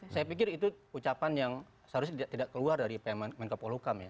saya pikir itu ucapan yang seharusnya tidak keluar dari menko polukam ya